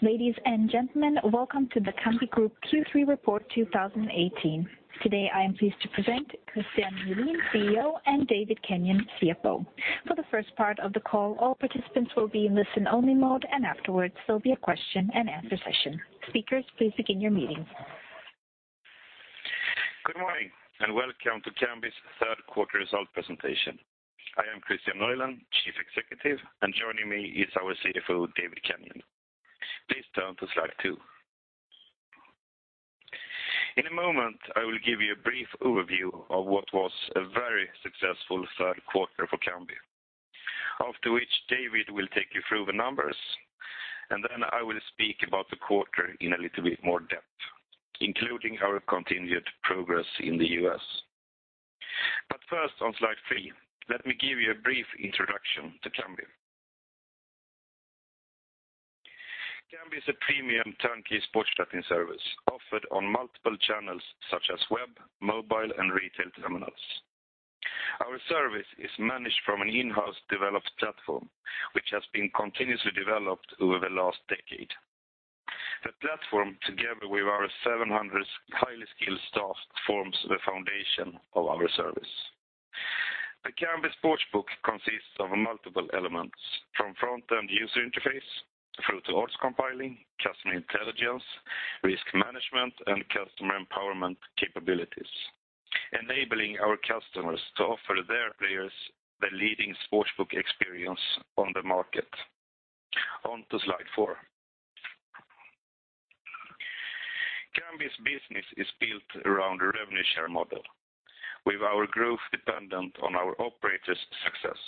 Ladies and gentlemen, welcome to the Kambi Group Q3 report 2018. Today, I am pleased to present Kristian Nylén, CEO, and David Kenyon, CFO. For the first part of the call, all participants will be in listen-only mode, afterwards there will be a question-and-answer session. Speakers, please begin your meeting. Good morning, welcome to Kambi's third quarter results presentation. I am Kristian Nylén, Chief Executive, joining me is our CFO, David Kenyon. Please turn to Slide two. In a moment, I will give you a brief overview of what was a very successful third quarter for Kambi, after which David will take you through the numbers. Then I will speak about the quarter in a little bit more depth, including our continued progress in the U.S. First, on Slide three, let me give you a brief introduction to Kambi. Kambi is a premium turnkey sports betting service offered on multiple channels such as web, mobile, and retail terminals. Our service is managed from an in-house developed platform, which has been continuously developed over the last decade. The platform, together with our 700 highly skilled staff, forms the foundation of our service. The Kambi Sportsbook consists of multiple elements, from front-end user interface through to odds compiling, customer intelligence, risk management, and customer empowerment capabilities, enabling our customers to offer their players the leading sportsbook experience on the market. On to Slide four. Kambi's business is built around a revenue share model with our growth dependent on our operators' success.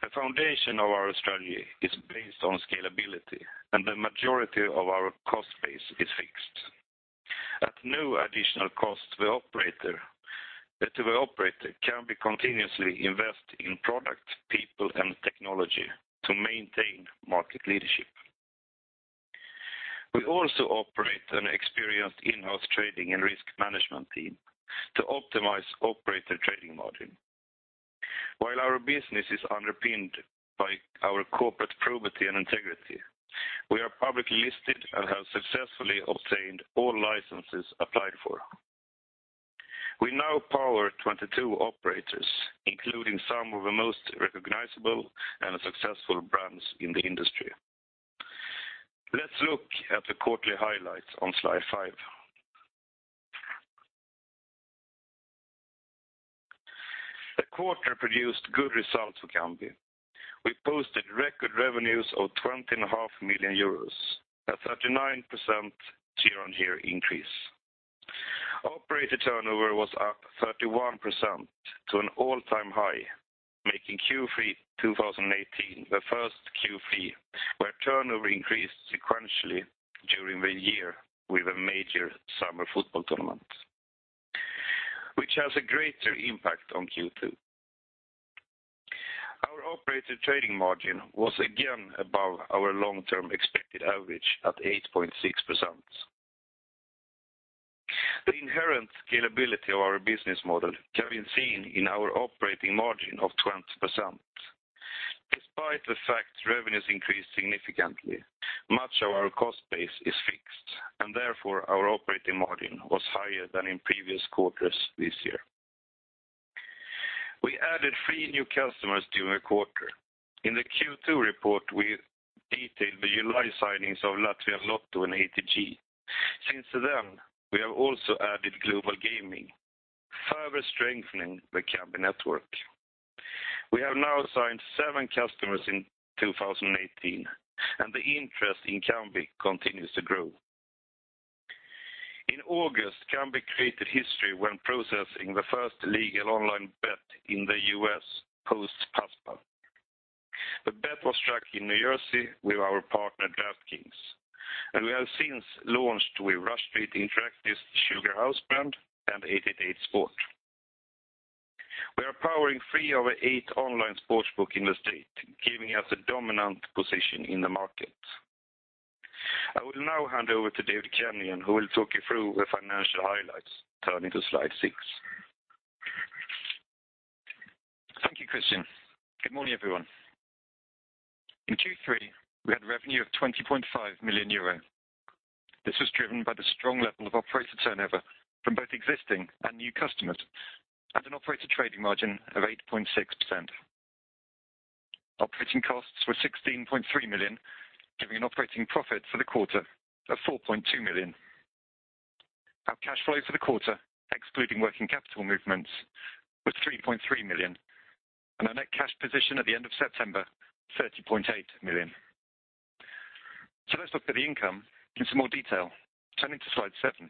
The foundation of our strategy is based on scalability, the majority of our cost base is fixed. At no additional cost to the operator, Kambi continuously invest in product, people, and technology to maintain market leadership. We also operate an experienced in-house trading and risk management team to optimize operator trading margin. While our business is underpinned by our corporate probity and integrity, we are publicly listed and have successfully obtained all licenses applied for. We now power 22 operators, including some of the most recognizable and successful brands in the industry. Let's look at the quarterly highlights on Slide five. The quarter produced good results for Kambi. We posted record revenues of 20.5 million euros, a 39% year-on-year increase. Operator turnover was up 31% to an all-time high, making Q3 2018 the first Q3 where turnover increased sequentially during the year with a major summer football tournament, which has a greater impact on Q2. Our operator trading margin was again above our long-term expected average at 8.6%. The inherent scalability of our business model can be seen in our operating margin of 20%. Despite the fact revenues increased significantly, much of our cost base is fixed, therefore, our operating margin was higher than in previous quarters this year. We added three new customers during the quarter. In the Q2 report, we detailed the July signings of Latvijas Loto and ATG. Since then, we have also added Global Gaming, further strengthening the Kambi network. We have now signed seven customers in 2018, and the interest in Kambi continues to grow. In August, Kambi created history when processing the first legal online bet in the U.S. post-PASPA. The bet was struck in New Jersey with our partner DraftKings, and we have since launched with Rush Street Interactive's SugarHouse brand and 888sport. We are powering three of the eight online sportsbooks in the state, giving us a dominant position in the market. I will now hand over to David Kenyon, who will talk you through the financial highlights, turning to Slide six. Thank you, Kristian. Good morning, everyone. In Q3, we had revenue of 20.5 million euro. This was driven by the strong level of operator turnover from both existing and new customers and an operator trading margin of 8.6%. Operating costs were 16.3 million, giving an operating profit for the quarter of 4.2 million. Our cash flow for the quarter, excluding working capital movements, was 3.3 million, and our net cash position at the end of September, 30.8 million. Let's look at the income in some more detail, turning to Slide seven.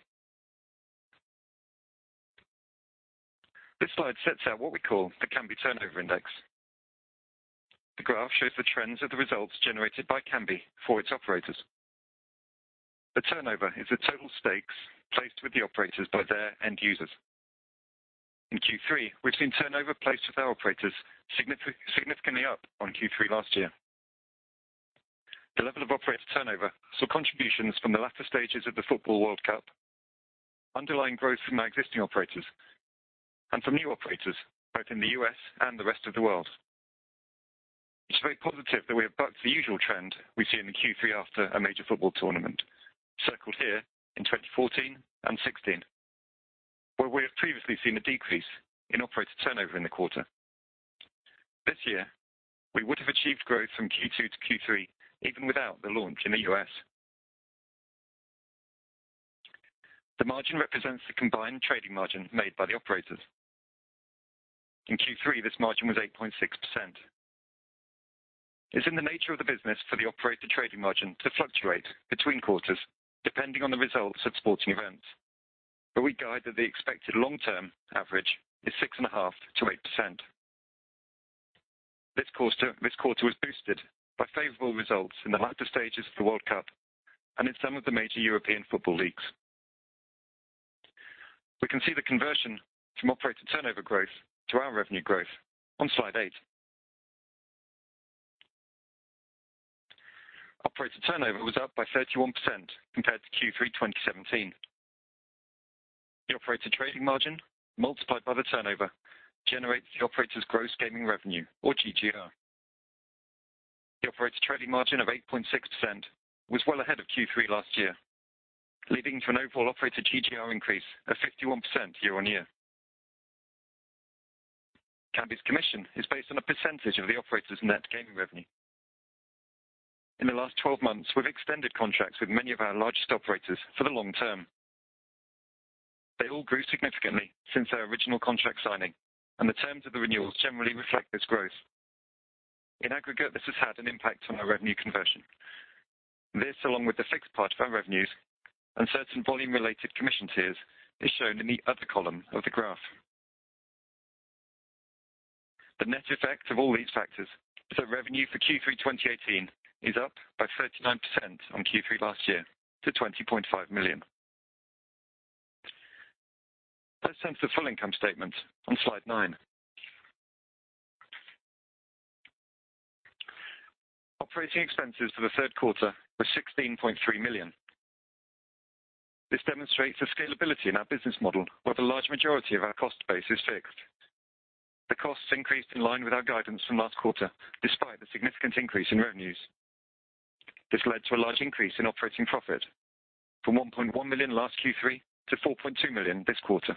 This slide sets out what we call the Kambi Turnover Index. The graph shows the trends of the results generated by Kambi for its operators. The turnover is the total stakes placed with the operators by their end users. In Q3, we've seen turnover placed with our operators significantly up on Q3 last year. The level of operator turnover saw contributions from the latter stages of the football World Cup. Underlying growth from our existing operators and from new operators both in the U.S. and the rest of the world. It's very positive that we have bucked the usual trend we see in the Q3 after a major football tournament, circled here in 2014 and 2016, where we have previously seen a decrease in operator turnover in the quarter. This year, we would have achieved growth from Q2 to Q3 even without the launch in the U.S. The margin represents the combined trading margin made by the operators. In Q3, this margin was 8.6%. It's in the nature of the business for the operator trading margin to fluctuate between quarters, depending on the results of sporting events. We guide that the expected long-term average is 6.5%-8%. This quarter was boosted by favorable results in the latter stages of the World Cup and in some of the major European football leagues. We can see the conversion from operator turnover growth to our revenue growth on Slide eight. Operator turnover was up by 31% compared to Q3 2017. The operator trading margin, multiplied by the turnover, generates the operator's gross gaming revenue or GGR. The operator trading margin of 8.6% was well ahead of Q3 last year, leading to an overall operator GGR increase of 51% year-over-year. Kambi's commission is based on a percentage of the operator's net gaming revenue. In the last 12 months, we've extended contracts with many of our largest operators for the long term. They all grew significantly since their original contract signing, and the terms of the renewals generally reflect this growth. In aggregate, this has had an impact on our revenue conversion. This, along with the fixed part of our revenues and certain volume-related commission tiers, is shown in the other column of the graph. The net effect of all these factors is that revenue for Q3 2018 is up by 39% on Q3 last year to 20.5 million. Let's turn to the full income statement on slide nine. Operating expenses for the third quarter were 16.3 million. This demonstrates the scalability in our business model, where the large majority of our cost base is fixed. The costs increased in line with our guidance from last quarter, despite the significant increase in revenues. This led to a large increase in operating profit from 1.1 million last Q3 to 4.2 million this quarter.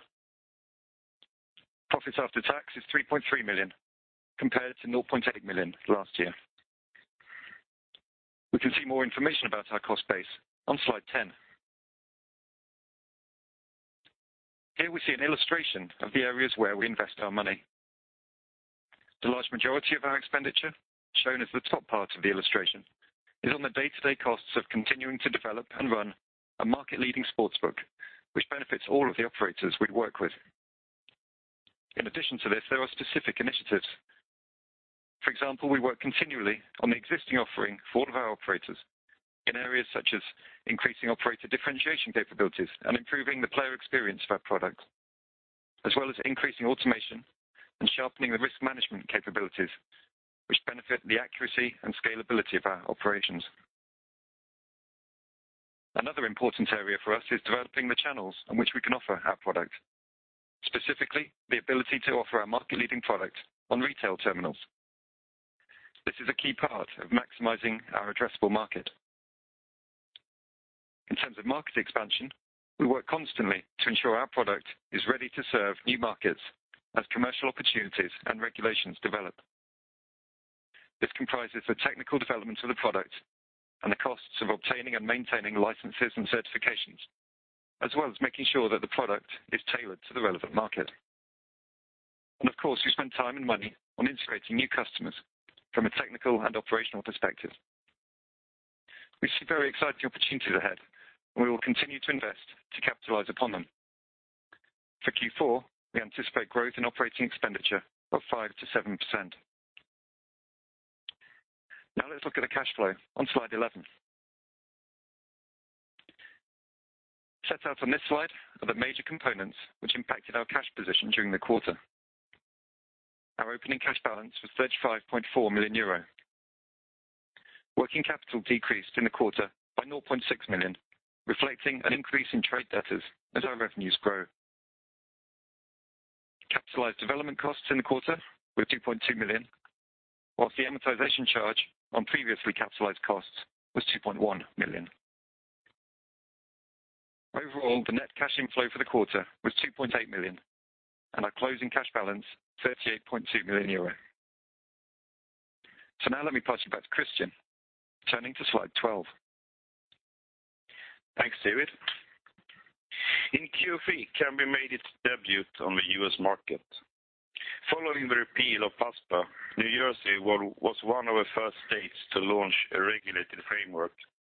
Profits after tax is 3.3 million, compared to 0.8 million last year. We can see more information about our cost base on slide 10. Here we see an illustration of the areas where we invest our money. The large majority of our expenditure, shown as the top part of the illustration, is on the day-to-day costs of continuing to develop and run a market-leading sportsbook, which benefits all of the operators we work with. In addition to this, there are specific initiatives. For example, we work continually on the existing offering for all of our operators in areas such as increasing operator differentiation capabilities and improving the player experience for our product, as well as increasing automation and sharpening the risk management capabilities, which benefit the accuracy and scalability of our operations. Another important area for us is developing the channels on which we can offer our product. Specifically, the ability to offer our market-leading product on retail terminals. This is a key part of maximizing our addressable market. In terms of market expansion, we work constantly to ensure our product is ready to serve new markets as commercial opportunities and regulations develop. This comprises the technical development of the product and the costs of obtaining and maintaining licenses and certifications, as well as making sure that the product is tailored to the relevant market. Of course, we spend time and money on integrating new customers from a technical and operational perspective. We see very exciting opportunities ahead, and we will continue to invest to capitalize upon them. For Q4, we anticipate growth in operating expenditure of 5%-7%. Now let's look at the cash flow on slide 11. Set out on this slide are the major components which impacted our cash position during the quarter. Our opening cash balance was 35.4 million euro. Working capital decreased in the quarter by 0.6 million, reflecting an increase in trade debtors as our revenues grow. Capitalized development costs in the quarter were 2.2 million, whilst the amortization charge on previously capitalized costs was 2.1 million. Overall, the net cash inflow for the quarter was 2.8 million and our closing cash balance, 38.2 million euro. Now let me pass you back to Kristian. Turning to slide 12. Thanks, David. In Q3, Kambi made its debut on the U.S. market. Following the repeal of PASPA, New Jersey was one of the first states to launch a regulated framework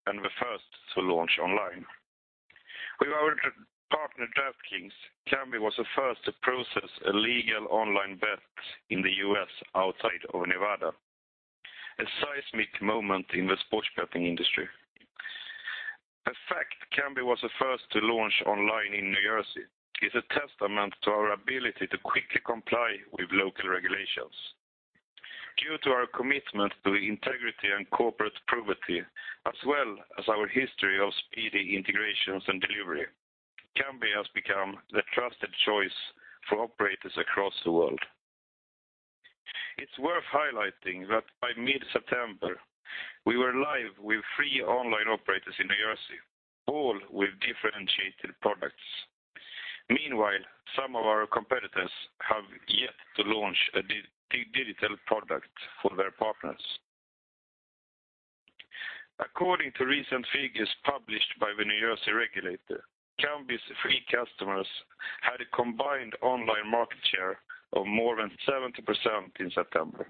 and the first to launch online. With our partner, DraftKings, Kambi was the first to process a legal online bet in the U.S. outside of Nevada, a seismic moment in the sports betting industry. The fact Kambi was the first to launch online in New Jersey is a testament to our ability to quickly comply with local regulations. Due to our commitment to integrity and corporate probity, as well as our history of speedy integrations and delivery, Kambi has become the trusted choice for operators across the world. It's worth highlighting that by mid-September, we were live with three online operators in New Jersey, all with differentiated products. Meanwhile, some of our competitors have yet to launch a digital product for their partners. According to recent figures published by the New Jersey regulator, Kambi's three customers had a combined online market share of more than 70% in September.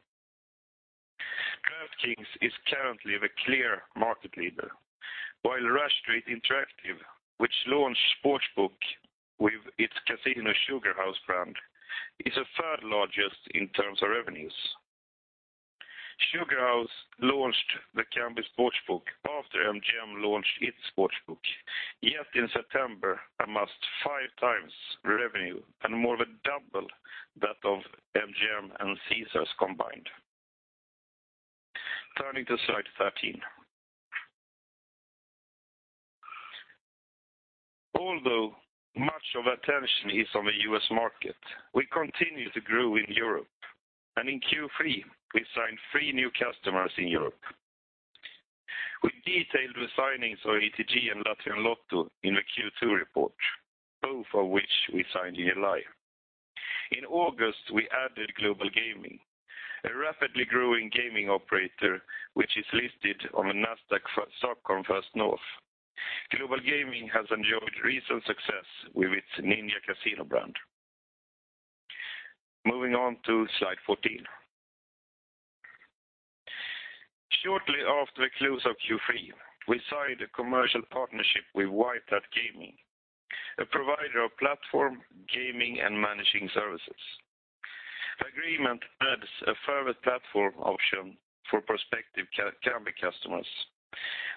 DraftKings is currently the clear market leader, while Rush Street Interactive, which launched Sportsbook with its Casino SugarHouse brand, is the third largest in terms of revenues. SugarHouse launched the Kambi Sportsbook after MGM launched its Sportsbook. Yet in September, amassed five times the revenue and more than double that of MGM and Caesars combined. Turning to slide 13. Although much of attention is on the U.S. market, we continue to grow in Europe, and in Q3, we signed three new customers in Europe. We detailed the signings of ATG and Latvijas Loto in the Q2 report, both of which we signed in July. In August, we added Global Gaming, a rapidly growing gaming operator, which is listed on the Nasdaq First North. Global Gaming has enjoyed recent success with its Ninja Casino brand. Moving on to slide 14. Shortly after the close of Q3, we signed a commercial partnership with White Hat Gaming, a provider of platform gaming and managing services. The agreement adds a further platform option for prospective Kambi customers.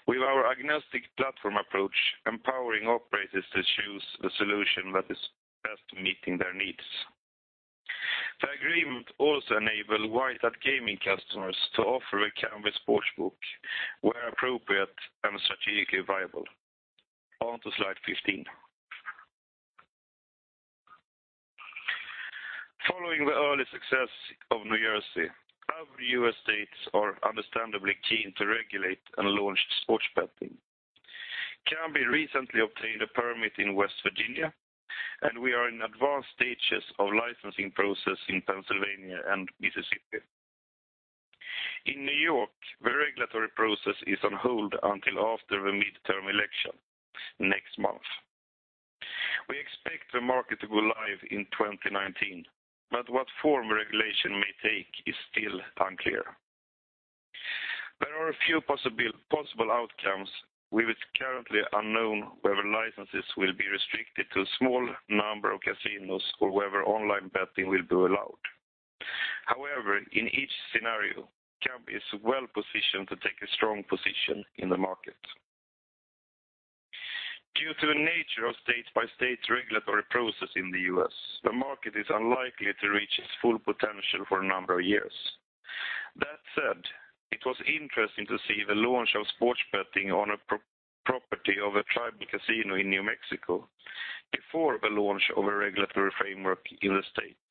With our agnostic platform approach, empowering operators to choose the solution that is best meeting their needs. The agreement also enable White Hat Gaming customers to offer a Kambi Sportsbook where appropriate and strategically viable. On to slide 15. Following the early success of New Jersey, other U.S. states are understandably keen to regulate and launch sports betting. Kambi recently obtained a permit in West Virginia, and we are in advanced stages of licensing process in Pennsylvania and Mississippi. In New York, the regulatory process is on hold until after the midterm election next month. We expect the market to go live in 2019, but what form regulation may take is still unclear. There are a few possible outcomes with currently unknown whether licenses will be restricted to a small number of casinos or whether online betting will be allowed. However, in each scenario, Kambi is well-positioned to take a strong position in the market. Due to the nature of state-by-state regulatory process in the U.S., the market is unlikely to reach its full potential for a number of years. That said, it was interesting to see the launch of sports betting on a property of a tribal casino in New Mexico before the launch of a regulatory framework in the state.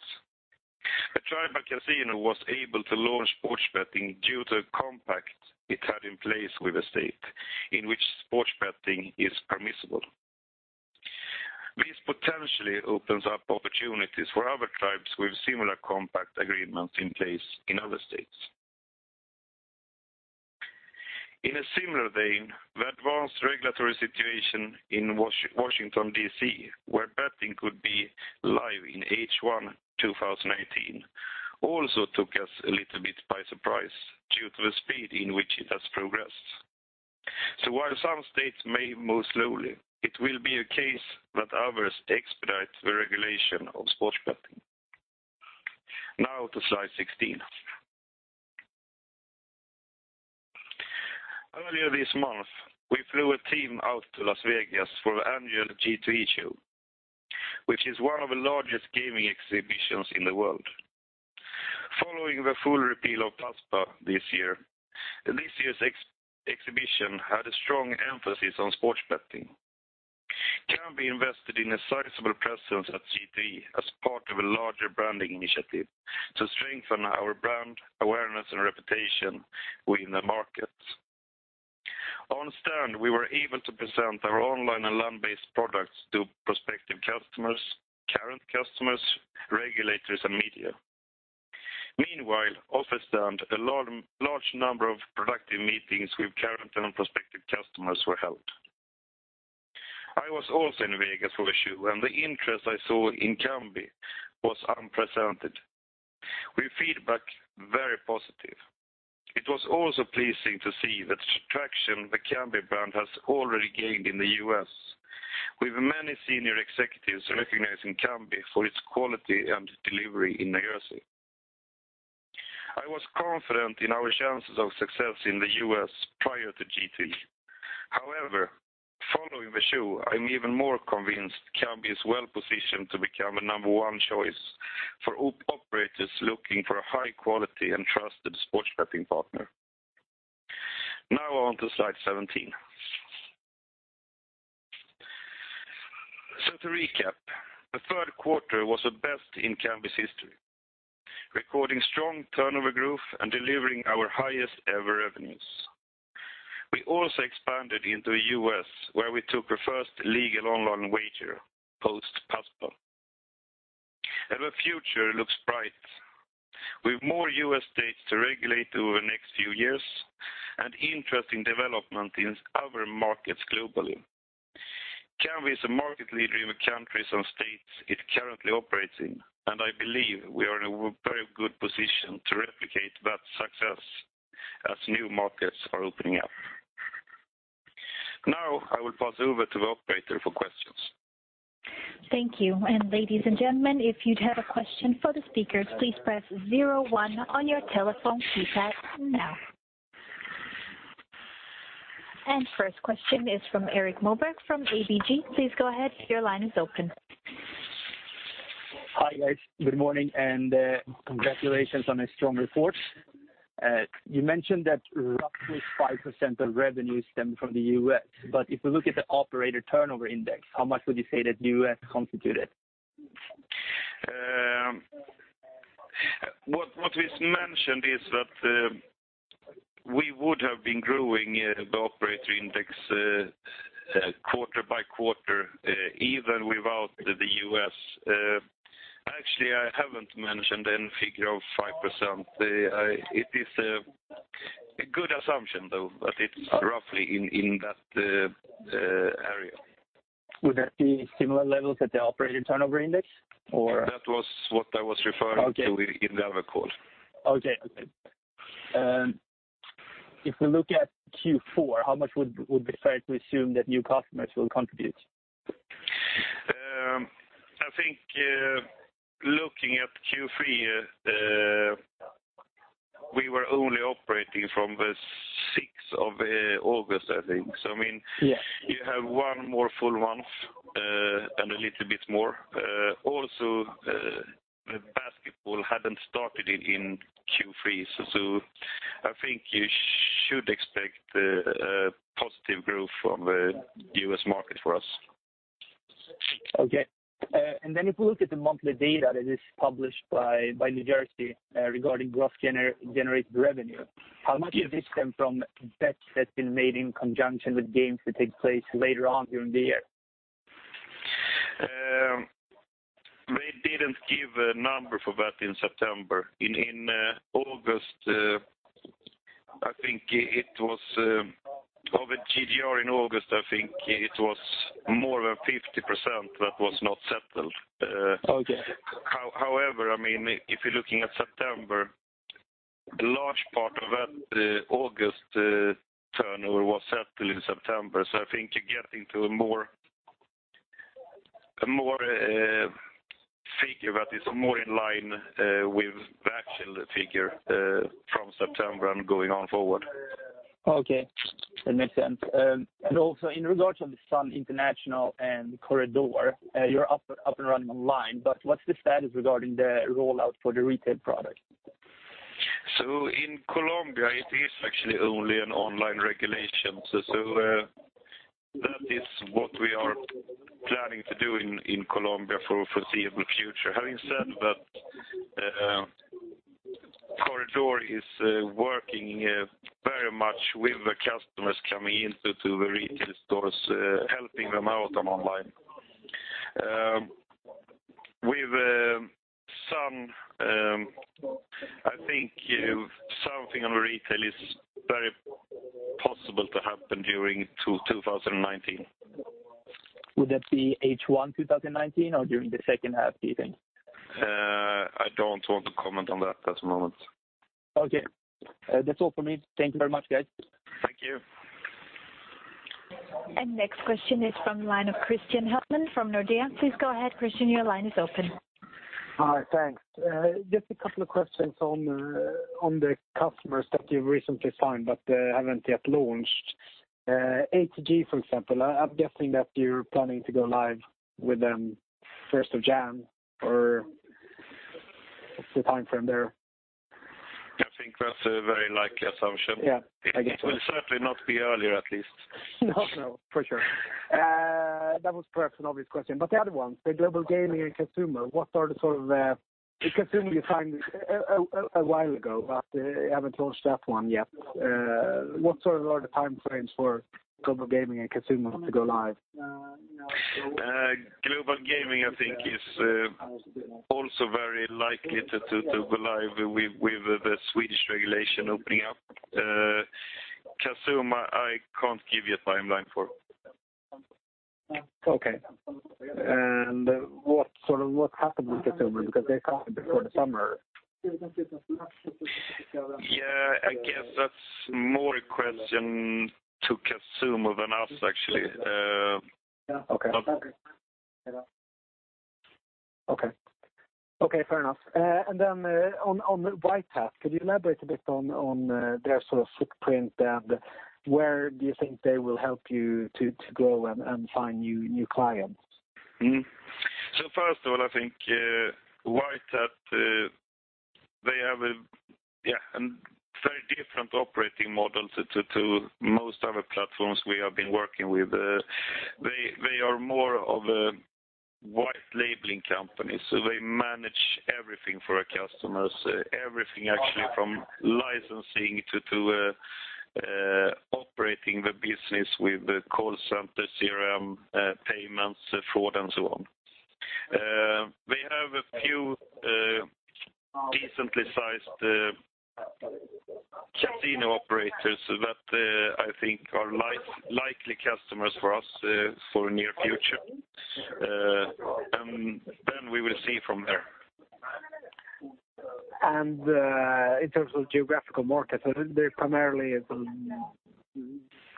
The tribal casino was able to launch sports betting due to a compact it had in place with the state in which sports betting is permissible. This potentially opens up opportunities for other tribes with similar compact agreements in place in other states. In a similar vein, the advanced regulatory situation in Washington, D.C., where betting could be live in H1 2019, also took us a little bit by surprise due to the speed in which it has progressed. While some states may move slowly, it will be a case that others expedite the regulation of sports betting. Now to slide 16. Earlier this month, we flew a team out to Las Vegas for the annual G2E show, which is one of the largest gaming exhibitions in the world. Following the full repeal of PASPA this year, this year's exhibition had a strong emphasis on sports betting. Kambi invested in a sizable presence at G2E as part of a larger branding initiative to strengthen our brand awareness and reputation within the markets. On stand we were able to present our online and land-based products to prospective customers, current customers, regulators, and media. Meanwhile, off stand a large number of productive meetings with current and prospective customers were held. I was also in Vegas for the show, and the interest I saw in Kambi was unprecedented, with feedback very positive. It was also pleasing to see the traction the Kambi brand has already gained in the U.S., with many senior executives recognizing Kambi for its quality and delivery in New Jersey. I was confident in our chances of success in the U.S. prior to G2E. Sure. I'm even more convinced Kambi is well-positioned to become a number one choice for operators looking for a high quality and trusted sports betting partner. Now on to slide 17. To recap, the third quarter was the best in Kambi's history, recording strong turnover growth and delivering our highest ever revenues. We also expanded into the U.S., where we took the first legal online wager post-PASPA. The future looks bright with more U.S. states to regulate over the next few years and interesting development in other markets globally. Kambi is a market leader in the countries and states it currently operates in, and I believe we are in a very good position to replicate that success as new markets are opening up. I will pass over to the operator for questions. Thank you. Ladies and gentlemen, if you'd have a question for the speakers, please press zero one on your telephone keypad now. First question is from Erik Moberg from ABG. Please go ahead, your line is open. Hi, guys. Good morning, congratulations on a strong report. You mentioned that roughly 5% of revenues stem from the U.S., if we look at the operator turnover index, how much would you say that U.S. constituted? What is mentioned is that we would have been growing the operator index quarter by quarter, even without the U.S. Actually, I haven't mentioned any figure of 5%. It is a good assumption though, it's roughly in that area. Would that be similar levels at the operator turnover index? That was what I was referring to. Okay in the other call. Okay. If we look at Q4, how much would be fair to assume that new customers will contribute? I think looking at Q3, we were only operating from the 6th of August, I think. You have one more full month, and a little bit more. Also, basketball hadn't started in Q3, I think you should expect a positive growth from the U.S. market for us. Okay. If we look at the monthly data that is published by New Jersey regarding gross generated revenue, how much of this came from bets that's been made in conjunction with games that take place later on during the year? They didn't give a number for that in September. In August, of the GGR in August, I think it was more than 50% that was not settled. Okay. If you're looking at September, the large part of that August turnover was settled in September. I think you're getting to a figure that is more in line with the actual figure from September and going on forward. Okay, that makes sense. Also in regards to the Sun International and Corredor, you're up and running online, what's the status regarding the rollout for the retail product? In Colombia, it is actually only an online regulation. That is what we are planning to do in Colombia for foreseeable future. Having said that, Corredor is working very much with the customers coming into the retail stores, helping them out on online. With Sun, I think something on retail is very possible to happen during 2019. Would that be H1 2019 or during the second half, do you think? I don't want to comment on that at the moment. Okay. That's all for me. Thank you very much, guys. Thank you. Next question is from the line of Christian Hultman from Nordea. Please go ahead, Christian, your line is open. Hi, thanks. Just a couple of questions on the customers that you've recently signed but haven't yet launched. ATG, for example, I'm guessing that you're planning to go live with them 1st of January, or what's the timeframe there? I think that's a very likely assumption. Yeah. It will certainly not be earlier, at least. No, for sure. That was perhaps an obvious question. The other ones, Global Gaming and Casumo you signed a while ago, but you haven't launched that one yet. What are the timeframes for Global Gaming and Casumo to go live? Global Gaming, I think is also very likely to go live with the Swedish regulation opening up. Casumo, I can't give you a timeline for. Okay. What happened with Casumo? Because they came before the summer. Yeah, I guess that's more a question to Casumo than us, actually. Okay. Okay, fair enough. On White Hat, could you elaborate a bit on their footprint and where you think they will help you to grow and find new clients? First of all, I think White Hat, they have a very different operating model to most other platforms we have been working with. They are more of a white labeling company, they manage everything for our customers. Everything actually from licensing to operating the business with call center CRM, payments, fraud, and so on. They have a few decently sized casino operators that I think are likely customers for us for the near future. We will see from there. In terms of geographical markets, are they primarily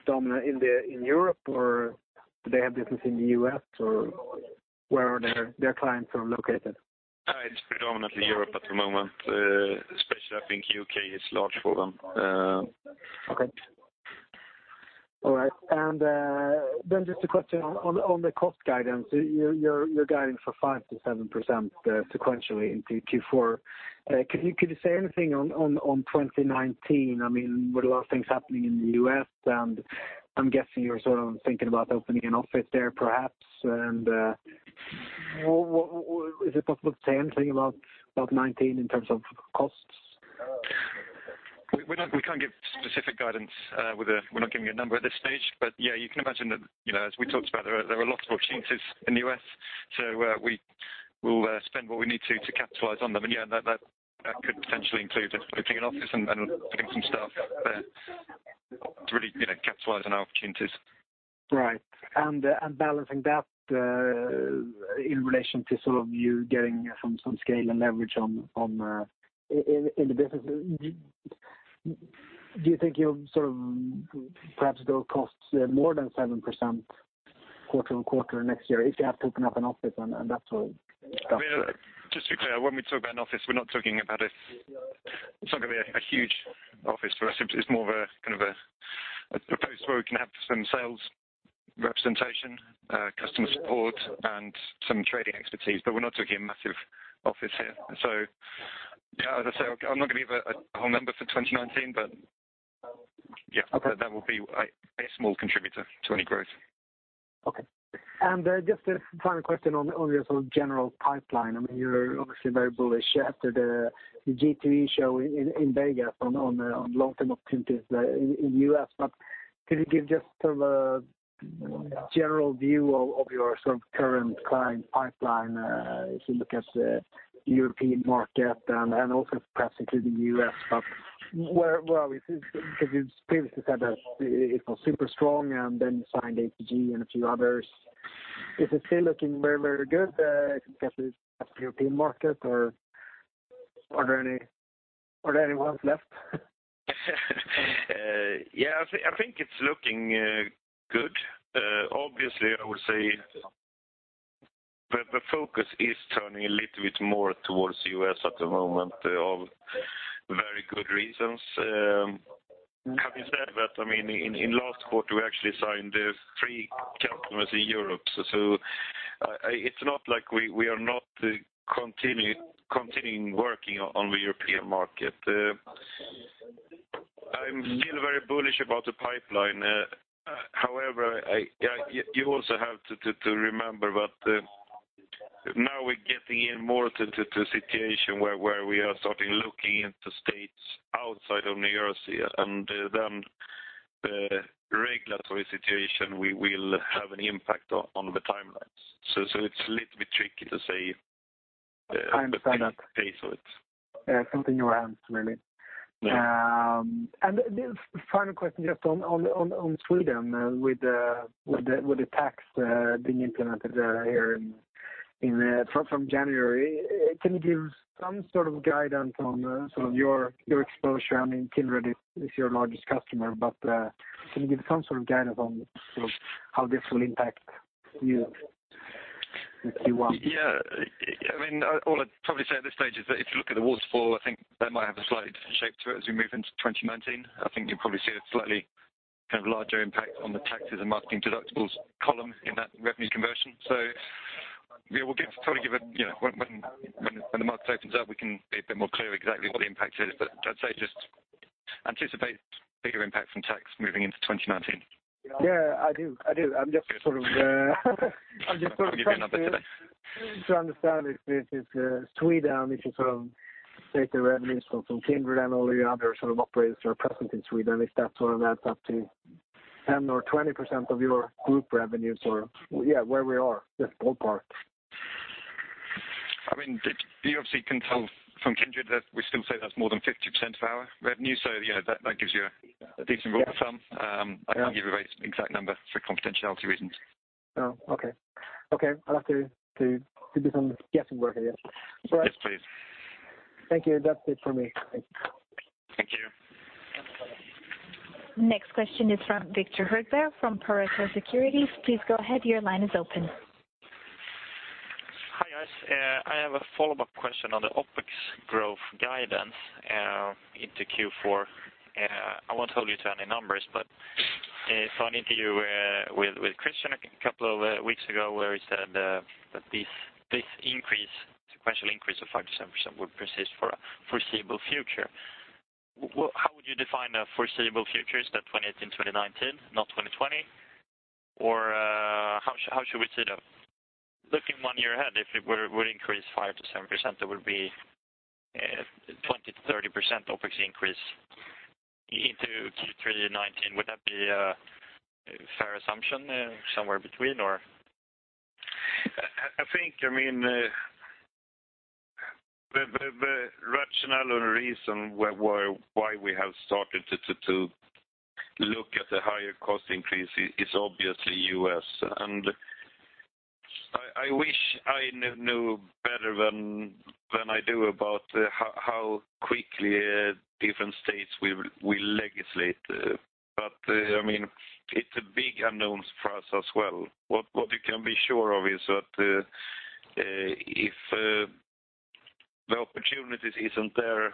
dominant in Europe, or do they have business in the U.S., or where are their clients located? It's predominantly Europe at the moment, especially I think U.K. is large for them. Okay. All right. Just a question on the cost guidance. You're guiding for 5%-7% sequentially into Q4. Could you say anything on 2019? With a lot of things happening in the U.S., I'm guessing you're thinking about opening an office there perhaps. Is it possible to say anything about 2019 in terms of costs? We can't give specific guidance. We're not giving you a number at this stage. Yeah, you can imagine that, as we talked about, there are lots of opportunities in the U.S., we will spend what we need to capitalize on them. Yeah, that could potentially include opening an office and putting some staff there to really capitalize on our opportunities. Right. Balancing that in relation to you getting some scale and leverage in the business, do you think you'll perhaps build costs more than 7% quarter-on-quarter next year if you have to open up an office and that sort of stuff? Just to be clear, when we talk about an office, it's not going to be a huge office for us. It's more of a post where we can have some sales representation, customer support, and some trading expertise. We're not talking a massive office here. As I said, I'm not going to give a whole number for 2019, but that will be a small contributor to any growth. Just a final question on your general pipeline. You are obviously very bullish after the G2E show in Vegas on long-term opportunities in the U.S. Could you give just a general view of your current client pipeline if you look at the European market and also perhaps including the U.S.? You previously said that it was super strong and then signed ATG and a few others. Is it still looking very good if you look at the European market, or are there any ones left? Yeah, I think it is looking good. Obviously, I would say the focus is turning a little bit more towards the U.S. at the moment for very good reasons. Having said that, in the last quarter, we actually signed three customers in Europe. It is not like we are not continuing working on the European market. I feel very bullish about the pipeline. However, you also have to remember that now we are getting in more to the situation where we are starting looking into states outside of New Jersey, and then the regulatory situation will have an impact on the timelines. It is a little bit tricky to say the exact date of it. It is not in your hands, really. Yeah. Final question just on Sweden with the tax being implemented there from January. Can you give some sort of guidance on your exposure? I mean, Kindred is your largest customer, but can you give some sort of guidance on how this will impact you in Q1? Yeah. All I'd probably say at this stage is that if you look at the waterfall, I think that might have a slight shape to it as we move into 2019. I think you'll probably see a slightly larger impact on the taxes and marketing deductibles column in that revenue conversion. We'll probably give when the market opens up, we can be a bit more clear exactly what the impact is. I'd say just anticipate bigger impact from tax moving into 2019. Yeah, I do. I'm just sort of I can give you a number today I'm trying to understand if this is Sweden, if it's from stated revenues from Kindred and all the other operators that are present in Sweden, if that sort of adds up to 10% or 20% of your group revenues or where we are, just ballpark. You obviously can tell from Kindred that we still say that is more than 50% of our revenue. That gives you a decent rule of thumb. I cannot give you a very exact number for confidentiality reasons. Oh, okay. I will have to do some guessing work here. Yes, please. Thank you. That is it for me. Thank you. Next question is from Victor Hogberg from Pareto Securities. Please go ahead. Your line is open. Hi, guys. I have a follow-up question on the OpEx growth guidance into Q4. I won't hold you to any numbers, but I saw an interview with Kristian a couple of weeks ago where he said that this sequential increase of 5%-7% would persist for foreseeable future. How would you define a foreseeable future? Is that 2018, 2019, not 2020? Or how should we see that? Looking one year ahead, if it would increase 5%-7%, there would be 20%-30% OpEx increase into Q3 2019. Would that be a fair assumption, somewhere between or? I think the rationale or reason why we have started to look at the higher cost increase is obviously U.S. I wish I knew better than I do about how quickly different states will legislate. It's a big unknown for us as well. What you can be sure of is that if the opportunities isn't there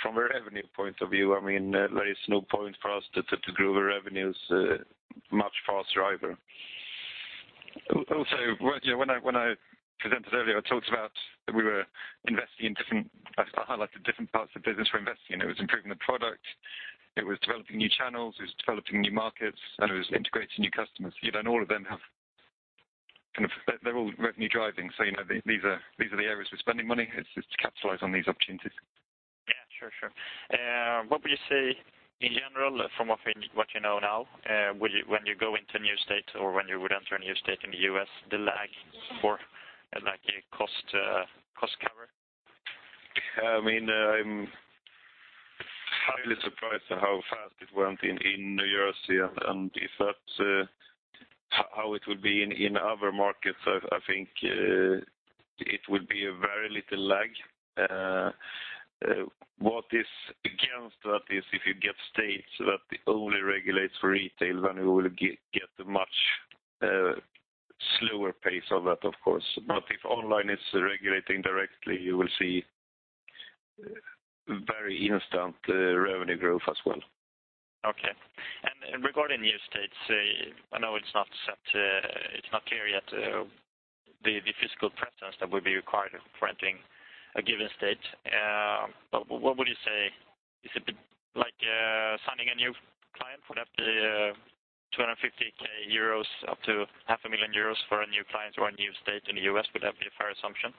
from a revenue point of view, there is no point for us to grow the revenues much faster either. Also, when I presented earlier, I talked about that we were investing in. I highlighted different parts of the business we're investing in. It was improving the product, it was developing new channels, it was developing new markets, it was integrating new customers. They're all revenue driving. These are the areas we're spending money. It's to capitalize on these opportunities. Yeah, sure. What would you say in general from what you know now, when you go into new states or when you would enter a new state in the U.S., the lag for a cost cover? I'm highly surprised at how fast it went in New Jersey. If that's how it will be in other markets, I think it will be a very little lag. What is against that is if you get states that only regulate for retail, we will get a much slower pace of that, of course. If online is regulating directly, you will see very instant revenue growth as well. Okay. Regarding new states, I know it's not clear yet the physical presence that would be required for entering a given state. What would you say, is it like signing a new client would have to 250,000 euros up to half a million EUR for a new client or a new state in the U.S., would that be a fair assumption?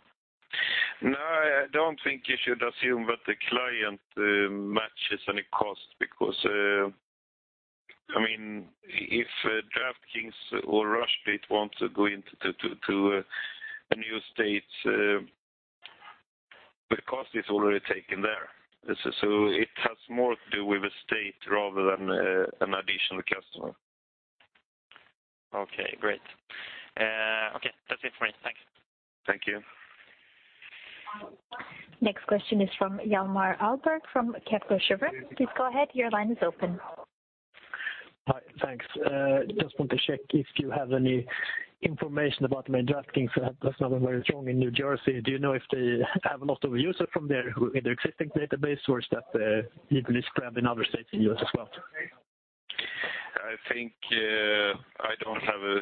No, I don't think you should assume that the client matches any cost because if DraftKings or Rush Street want to go into a new state, the cost is already taken there. It has more to do with the state rather than an additional customer. Okay, great. Okay, that's it for me. Thanks. Thank you. Next question is from Hjalmar Ahlberg from Kepler Cheuvreux. Please go ahead. Your line is open. Hi. Thanks. Just want to check if you have any information about DraftKings that's not very strong in New Jersey. Do you know if they have a lot of users from there in their existing database, or is that it is grabbed in other states in U.S. as well? I think I don't have a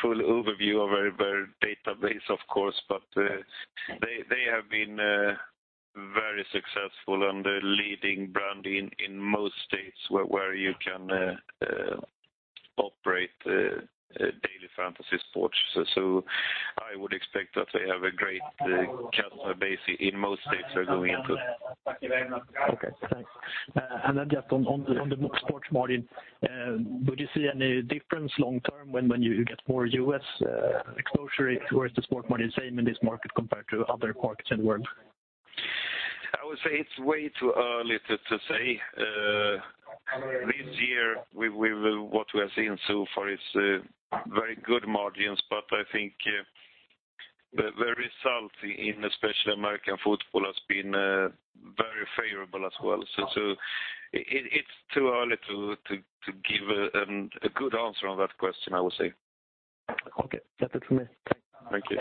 full overview of their database, of course, but they have been very successful and the leading brand in most states where you can operate daily fantasy sports. I would expect that they have a great customer base in most states they're going into. Okay, thanks. Then just on the sports margin, would you see any difference long term when you get more U.S. exposure? Is the sports margin same in this market compared to other markets in the world? I would say it's way too early to say. This year, what we have seen so far is very good margins, but I think the result in especially American football has been very favorable as well. It's too early to give a good answer on that question, I would say. Okay. That's it from me. Thanks. Thank you.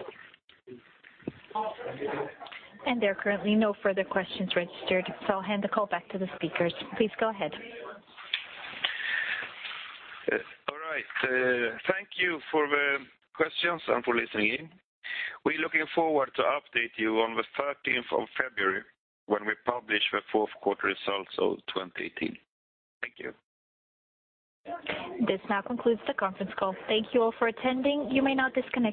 There are currently no further questions registered, so I'll hand the call back to the speakers. Please go ahead. All right. Thank you for the questions and for listening in. We're looking forward to update you on the 13th of February when we publish the fourth quarter results of 2018. Thank you. This now concludes the conference call. Thank you all for attending. You may now disconnect.